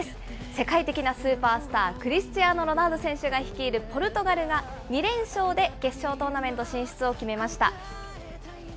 世界的なスーパースター、クリスチアーノ・ロナウド選手が率いるポルトガルが、２連勝で決勝トーナメント進出を決めました。